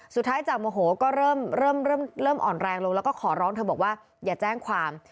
จากโมโหก็เริ่มเริ่มอ่อนแรงลงแล้วก็ขอร้องเธอบอกว่าอย่าแจ้งความ